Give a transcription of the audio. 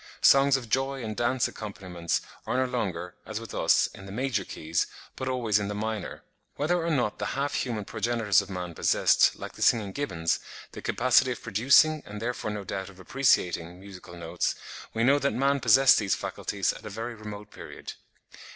Songs of joy and dance accompaniments are no longer, as with us, in the major keys, but always in the minor." Whether or not the half human progenitors of man possessed, like the singing gibbons, the capacity of producing, and therefore no doubt of appreciating, musical notes, we know that man possessed these faculties at a very remote period.